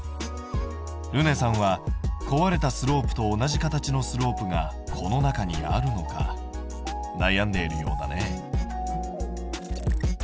るねさんは壊れたスロープと同じ形のスロープがこの中にあるのか悩んでいるようだね。